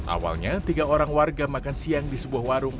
awalnya tiga orang warga makan siang di sebuah warung